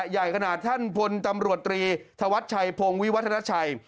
ใหญ่ขนาดท่านทนธุรกรธวัดฉัยโพงวิวัฒนาสรรค์